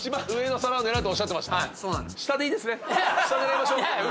下狙いましょう。